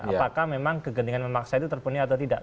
apakah memang kekendingan yang memaksa itu terpenuhi atau tidak